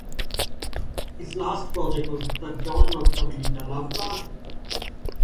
His last project was the Don Knotts comedy The Love God?